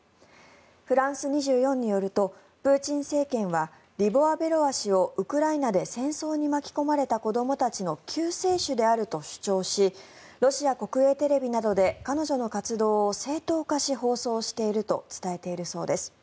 フランス２４によるとプーチン政権はリボワ・ベロワ氏をウクライナで戦争に巻き込まれた子どもたちの救世主であると主張しロシア国営テレビなどで彼女の活動を正当化し放送していると伝えているそうです。